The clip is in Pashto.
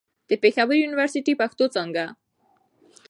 د پېښور يونيورسټۍ، پښتو څانګه